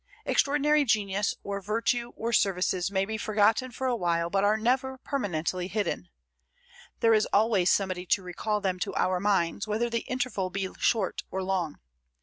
Extraordinary genius or virtue or services may be forgotten for a while, but are never permanently hidden. There is always somebody to recall them to our minds, whether the interval be short or long.